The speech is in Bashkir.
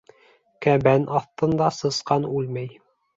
Кәбән аҫтында сысҡан үлмәй